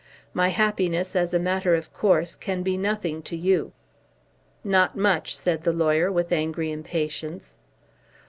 My happiness, as a matter of course, can be nothing to you." "Not much," said the lawyer, with angry impatience.